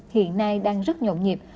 hiện nay đang rất nhộn nhịp